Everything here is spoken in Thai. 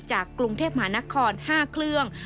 กรุงเทพมหานคร๕เครื่อง